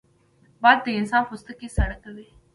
باد د انسان پوستکی ساړه کوي